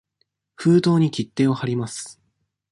封筒に切手をはります。